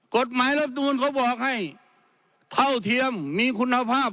กฎหมายรับนูลเขาบอกให้เท่าเทียมมีคุณภาพ